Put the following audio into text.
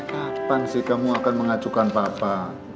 aduh sampai kapan sih kamu akan mengacukan papa